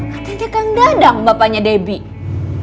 katanya kang dadang bapaknya debbie